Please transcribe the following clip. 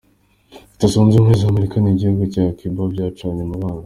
Leta zunze ubumwe za Amerika n’igihugu cya Cuba byacanye umubano.